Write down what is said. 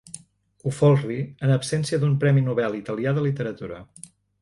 Ho folri en absència d'un premi Nobel italià de literatura.